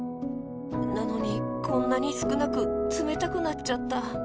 なのにこんなにすくなくつめたくなっちゃった。